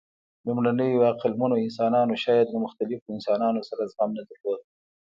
لومړنیو عقلمنو انسانانو شاید له مختلفو انسانانو سره زغم نه درلود.